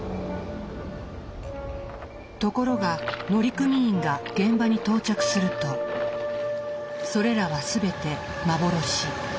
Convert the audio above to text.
ところが乗組員が現場に到着するとそれらは全て幻。